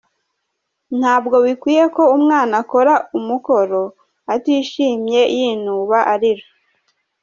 Ntabwo bikwiye ko umwana akora umukoro atishimye, yinuba, arira.